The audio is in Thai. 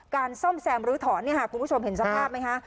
การซ่อมแซมรื้อถอนเนี่ยค่ะคุณผู้ชมเห็นสภาพไหมคะ